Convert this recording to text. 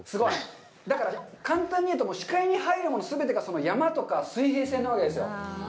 だから簡単に言うと、視界に入るもの全てが山とか水平線なわけですよ。